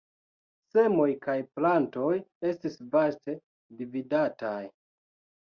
Semoj kaj plantoj estis vaste dividataj.